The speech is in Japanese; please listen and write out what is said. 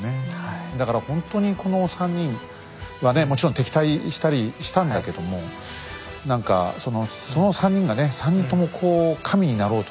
だからほんとにこの３人はねもちろん敵対したりしたんだけども何かその３人がね３人ともこう神になろうとしたっていうのが面白いですよね。